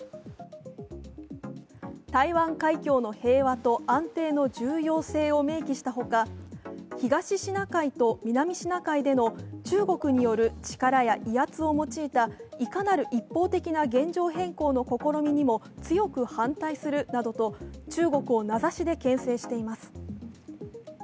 台湾海峡の平和と安定の重要性を明記したほか、東シナ海と南シナ海での中国による力や威圧を用いたいかなる一方的な現状変更の試みにも強く反対するなどと中国を名指しでけん制しています。